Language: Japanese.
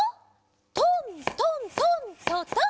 トントントントトン。